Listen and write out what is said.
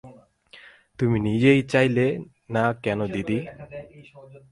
তুমি নিজেই চাইলে না কেন দিদি?